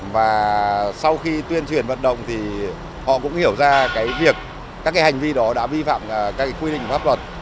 và sau khi tuyên truyền vận động thì họ cũng hiểu ra các hành vi đó đã vi phạm các quy định pháp luật